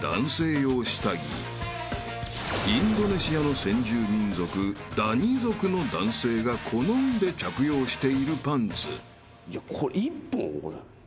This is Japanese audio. ［インドネシアの先住民族ダニ族の男性が好んで着用しているパンツ］